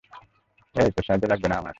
এই, তোর সাহায্য লাগবে না আমার।